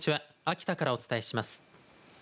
秋田からお伝えします。